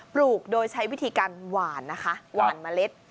ลูกโดยใช้วิธีการหวานนะคะหวานเมล็ด